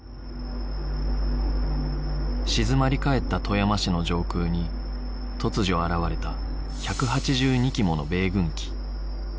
静まりかえった富山市の上空に突如現れた１８２機もの米軍機